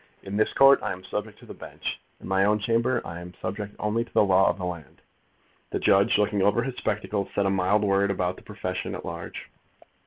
In this Court I am subject to the Bench. In my own chamber I am subject only to the law of the land." The judge looking over his spectacles said a mild word about the profession at large.